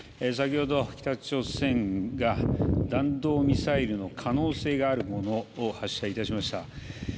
先ほど北朝鮮が弾道ミサイルの可能性があるものを発射いたしました。